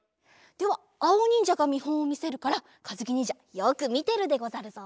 ではあおにんじゃがみほんをみせるからかずきにんじゃよくみてるでござるぞ！